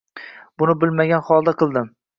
Buni bilmagan holda qildim.